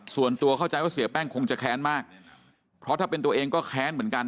ส่วนตัวเข้าใจว่าเสียแป้งคงจะแค้นมากเพราะถ้าเป็นตัวเองก็แค้นเหมือนกัน